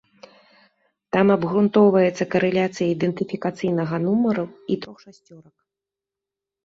Там абгрунтоўваецца карэляцыя ідэнтыфікацыйнага нумару і трох шасцёрак.